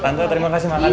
tante terima kasih makan ya